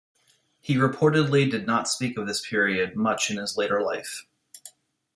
He reportedly did not speak of this period much in his later life.